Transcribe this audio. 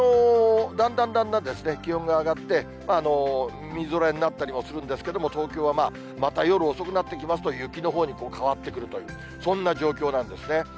だんだんだんだん気温が上がって、みぞれになったりもするんですけど、東京はまた夜遅くなってきますと、雪のほうに変わってくるという、そんな状況なんですね。